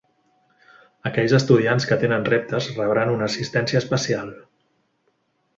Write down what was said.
Aquells estudiants que tenen reptes rebran una assistència especial.